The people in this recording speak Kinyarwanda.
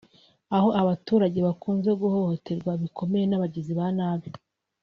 Aho abaturage bakunze guhohoterwa bikomeye n’abagizi ba nabi